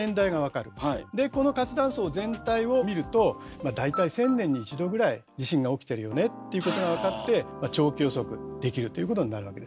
でこの活断層全体を見るとまあ大体１，０００年に１度ぐらい地震が起きてるよねっていうことが分かってまあ長期予測できるということになるわけですね。